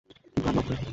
কিন্তু আমি অল্পবয়সী!